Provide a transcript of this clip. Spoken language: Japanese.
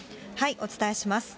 お伝えします。